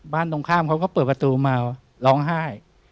ตรงข้ามเขาก็เปิดประตูมาร้องไห้